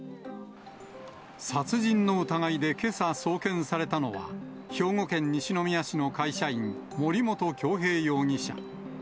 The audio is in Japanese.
殺人の疑いでけさ、送検されたのは、兵庫県西宮市の会社員、森本恭平容疑者。